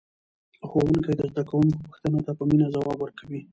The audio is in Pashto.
ښوونکی د زده کوونکو پوښتنو ته په مینه ځواب ورکوي